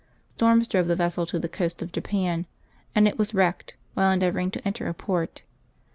Storms drove the vessel to the coast of Japan, and it was wrecked while endeavoring to enter a port.